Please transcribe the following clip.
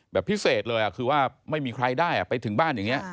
แบบพิเศษเลยคือว่าไม่มีใครได้ไปถึงบ้านอย่างนี้